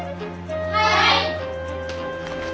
はい。